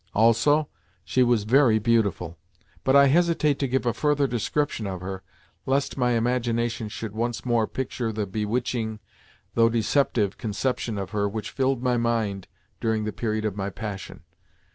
Also, she was very beautiful. But I hesitate to give a further description of her lest my imagination should once more picture the bewitching, though deceptive, conception of her which filled my mind during the period of my passion.